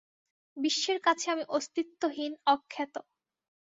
বিশ্বের কাছে আমি অস্তিত্বহীন অখ্যাত।